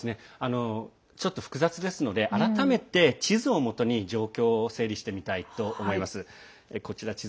ちょっと複雑ですので改めて地図をもとに状況を見ていきたいと思います。